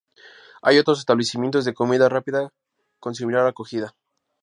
Hay otros establecimientos de comida rápida con similar acogida.